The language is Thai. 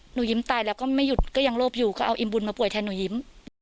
หนูยิ้มตายแล้วก็ไม่หยุดก็ยังโลภอยู่ก็เอาอิ่มบุญมาป่วยแทนหนูยิ้ม